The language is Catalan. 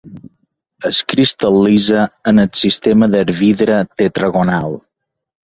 Es cristal·litza en el sistema del vidre tetragonal.